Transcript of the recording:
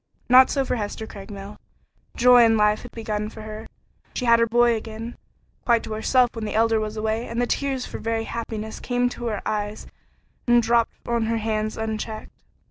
Not so for Hester Craigmile. Joy and life had begun for her. She had her boy again quite to herself when the Elder was away, and the tears for very happiness came to her eyes and dropped on her hands unchecked.